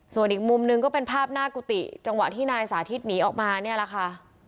ส่วนอีกมุมหนึ่งก็เป็นภาพหน้ากุฏิจังหวะที่นายสาธิตหนีออกมาเนี่ยแหละค่ะ